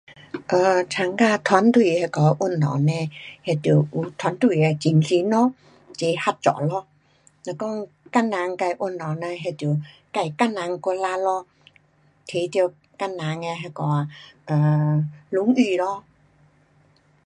呃，参加团队的那个运动呢，那得有团队的精神咯，齐合作咯，若讲个人自运动呐那得自个人努力咯，拿到个人的那个啊荣誉咯。